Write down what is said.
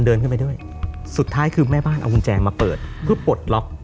เดินขึ้นไปด้วยสุดท้ายคือแม่บ้านเอากุญแจมาเปิดเพื่อปลดล็อก